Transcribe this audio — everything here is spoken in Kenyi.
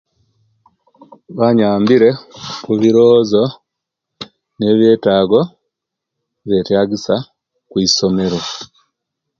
Banyambire kubiroozo, biyetago biyetagisa okwisomero